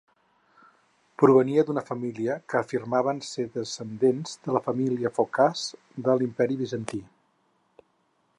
Provenia d'una família que afirmaven ser descendents de la família Focas de l'Imperi bizantí.